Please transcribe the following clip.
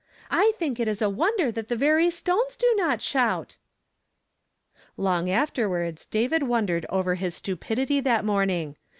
I think it is a wonder that the very stones do not shout !" Long afterwards David wondered over his stu pidity that morning.